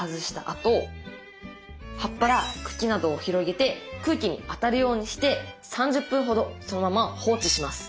あと葉っぱや茎などを広げて空気に当たるようにして３０分ほどそのまま放置します。